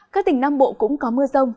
các tỉnh nam bộ cũng có mưa rông